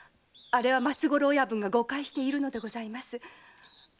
あれは松五郎親分が誤解しているのでございます。